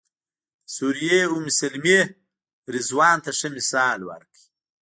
د سوریې ام سلمې رضوان ته ښه مثال ورکړ.